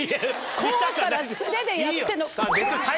こうから素手でやっての。